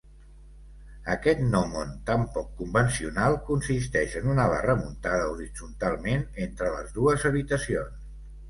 Aquest gnòmon tan poc convencional consisteix en una barra muntada horitzontalment entre les dues habitacions.